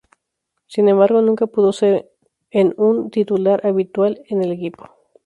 Sin embargo, nunca pudo ser un en titular habitual en el equipo.